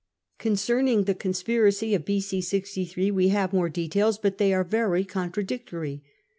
Concerning the conspiracy of B.o. 63 we have more details, but they are very con tradictory.